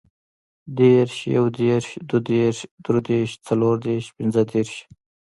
دېرش, یودېرش, دودېرش, دریدېرش, څلوردېرش, پنځهدېرش